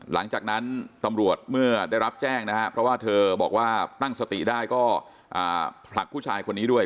หลังจากนั้นตำรวจเมื่อได้รับแจ้งนะครับเพราะว่าเธอบอกว่าตั้งสติได้ก็ผลักผู้ชายคนนี้ด้วย